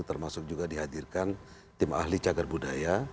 termasuk juga dihadirkan tim ahli cagar budaya